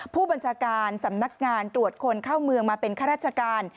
ผู้บัญชาการสำนักงานตรวจคนเข้าเมืองมาเป็นข้าราชการ